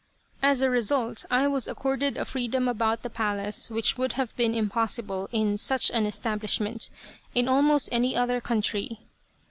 As a result I was accorded a freedom about the palace which would have been impossible in such an establishment in almost any other country.